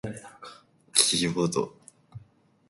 キーボード